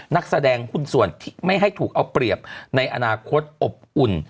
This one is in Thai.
นักแสดงหุ้นส่วนที่ไม่ให้ถูกเอาเปรียบในอนาคตอบอุ่น